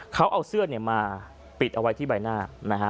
เขาเอาเสื้อมาปิดเอาไว้ที่ใบหน้านะฮะ